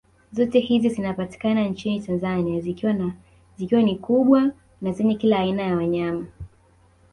Zote hizi zinapatika nchini Tanzania zikiwa ni kubwa na zenye kila aina ya wanyama